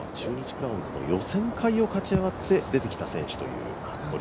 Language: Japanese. クラウンズの予選会を勝ち上がって出てきた選手という服部